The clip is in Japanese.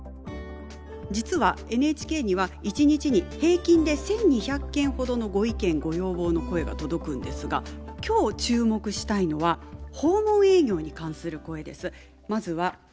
実はＮＨＫには１日に平均で１，２００件ほどのご意見・ご要望の声が届くんですが今日注目したいのは訪問営業に関する声です。